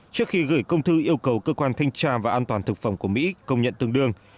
trước khi gửi công thư yêu cầu cơ quan thanh tra và an toàn thực phẩm của mỹ công nhận tương đương